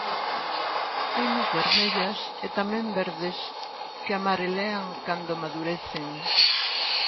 Hainas vermellas e tamén verdes que amarelean cando madurecen.